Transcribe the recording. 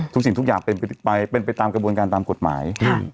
ทุกสิ่งทุกอย่างเป็นไปตามกระบวนการตามกฎหมาย